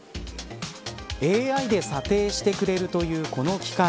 ＡＩで査定してくれるというこの機械。